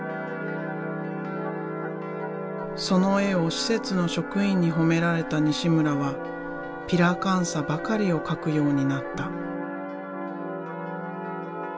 その絵を施設の職員に褒められた西村はピラカンサばかりを描くようになった。